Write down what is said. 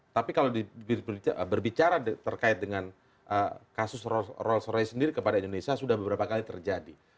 tapi kalau berbicara terkait dengan kasus rolls royce sendiri kepada indonesia sudah beberapa kali terjadi